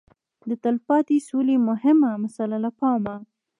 د تلپاتې سولې مهمه مساله له پامه